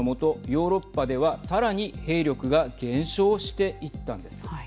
ヨーロッパではさらに兵力が減少していったんです。